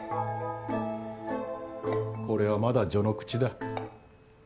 これはまだ序の口だ。